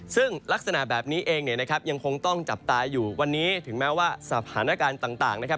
ซึ่งลักษณะแบบนี้เองเนี่ยนะครับยังคงต้องจับตาอยู่วันนี้ถึงแม้ว่าสถานการณ์ต่างนะครับ